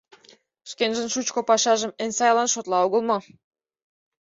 Шкенжын шучко пашажым эн сайлан шотла огыл мо?..